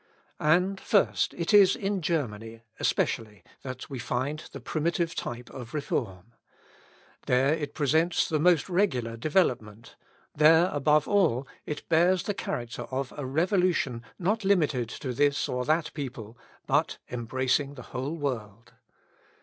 And, first, it is in Germany especially that we find the primitive type of reform. There it presents the most regular development, there, above all, it bears the character of a revolution not limited to this or that people, but embracing the whole world.